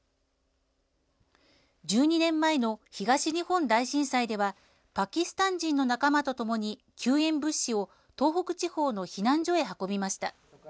１２年前の東日本大震災ではパキスタン人の仲間とともに救援物資を東北地方の避難所へ運びました。